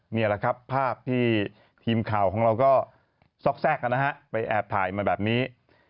นี่แหละครับภาพที่ทีมข่าวของเราก็ซอกแทรกกันนะฮะไปแอบถ่ายมาแบบนี้